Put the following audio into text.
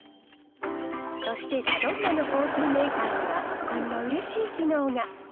そして、ラドンナのコーヒーメーカーには、こんなうれしい機能が。